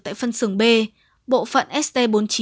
tại phân xưởng b bộ phận st bốn mươi chín